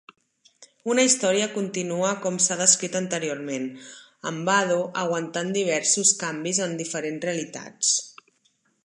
Una història continua com s'ha descrit anteriorment, amb Bado aguantant diversos canvis en diferents realitats.